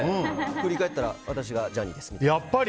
振り返ったら私がジャニーですみたいな。